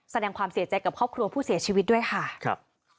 แสดงความเสียใจกับครอบครัวผู้เสียชีวิตด้วยค่ะครับ